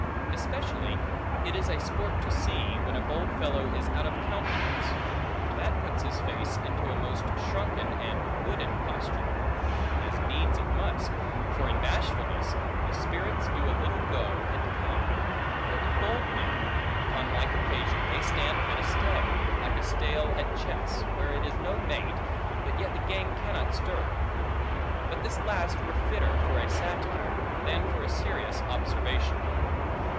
Especially it is a sport to see, when a bold fellow is out of countenance; for that puts his face into a most shrunken, and wooden posture; as needs it must; for in bashfulness, the spirits do a little go and come; but with bold men, upon like occasion, they stand at a stay; like a stale at chess, where it is no mate, but yet the game cannot stir. But this last were fitter for a satire than for a serious observation.